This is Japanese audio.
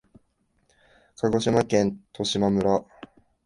鹿児島県十島村